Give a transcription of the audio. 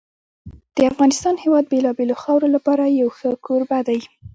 د افغانستان هېواد د بېلابېلو خاورو لپاره یو ښه کوربه دی.